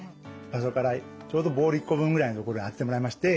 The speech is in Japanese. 場所からちょうどボール１個分ぐらいの所に当ててもらいまして